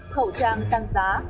khẩu trang tăng giá